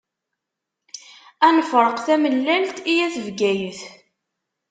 A nefṛeq tamellalt i At Bgayet.